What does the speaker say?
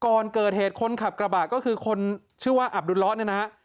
ก่อนเกิดเหตุคนขับกระบะก็คือคนชื่อว่าอับดุลล้อเนี่ยนะฮะ